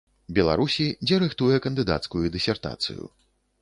Беларусі, дзе рыхтуе кандыдацкую дысертацыю.